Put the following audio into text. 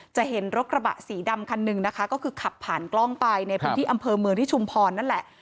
จะเห็นรถกระบะสีดำคันหนึ่งนะคะก็คือขับผ่านกล้องไปในพื้นที่อำเภอเมืองที่ชุมพรนั่นแหละ